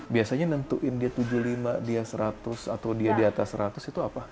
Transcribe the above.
biasanya nentuin dia tujuh puluh lima dia seratus atau dia di atas seratus itu apa